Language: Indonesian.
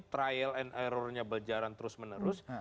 trial and errornya berjalan terus menerus